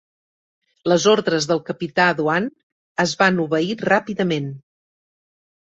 Les ordres del capità Doane es van obeir ràpidament.